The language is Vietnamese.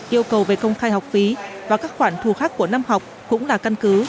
yêu cầu về công khai học phí và các khoản thu khác của năm học cũng là căn cứ